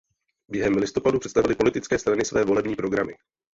Během listopadu představily politické strany své volební programy.